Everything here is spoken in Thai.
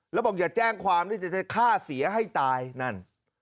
แล้วบอกอย่าแจ้งความนี่จะฆ่าเสียให้ตายนั่น